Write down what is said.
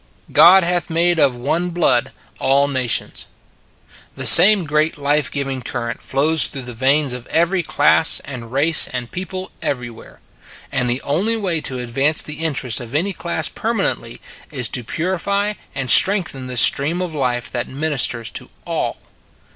" God hath made of one blood all na tions." The same great life giving cur rent flows through the veins of every class and race and people everywhere. And the only way to advance the interests of any class permanently is to purify and strengthen the stream of life that ministers to all.